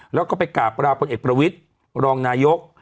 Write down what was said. เราก็ไปกราบราวพลเอกปุรวิตรองนายก